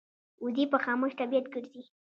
وزې په خاموش طبیعت ګرځي